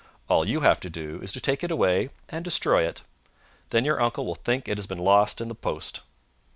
All you have to do is to take it away and destroy it. Then your uncle will think it has been lost in the post."